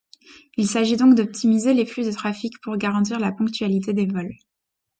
Il s'agit donc d'optimiser les flux de trafic pour garantir la ponctualité des vols.